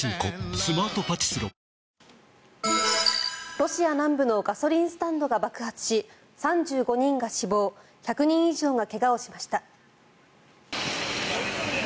ロシア南部のガソリンスタンドが爆発し３５人が死亡１００人以上が怪我をしました。